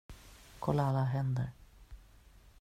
Kolla alla händer.